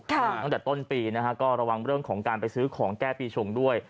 ตั้งแต่ต้นปีนะฮะก็ระวังเรื่องของการไปซื้อของแก้ปีชงด้วย